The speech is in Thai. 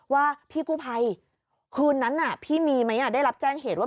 ว่าพี่กู้ภัยคืนนั้นพี่มีไหมได้รับแจ้งเหตุว่า